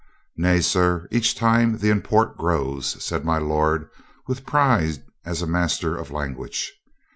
"Nay, sir, each time the import grows," said my lord with pride as a master of language.